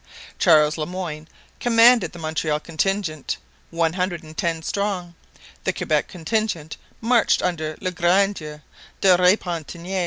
] Charles Le Moyne commanded the Montreal contingent, one hundred and ten strong; the Quebec contingent marched under Le Gardeur de Repentigny.